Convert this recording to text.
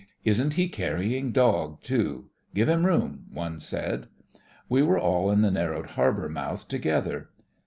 Isn't he carrying dog, too! Give him room!" one said. We were all in the narrowed har bour mouth together.